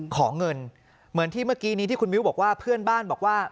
ขอเงินเหมือนที่เมื่อกี้นี้ที่คุณมิ้วบอกว่าเพื่อนบ้านบอกว่า